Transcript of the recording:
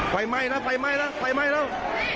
ไฟไหม้แล้วไฟไหม้แล้วไฟไหม้แล้ว